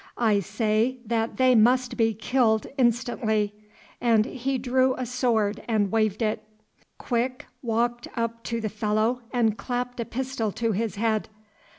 I say that they must be killed instantly," and he drew a sword, and waved it. Quick walked up to the fellow and clapped a pistol to his head.